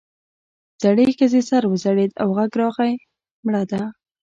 زړې ښځې سر وځړېد او غږ راغی مړه ده.